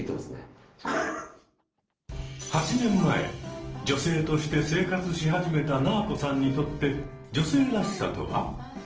８年前女性として生活し始めたなぁこさんにとって女性らしさとは？